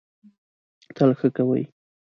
تل ښه کوی.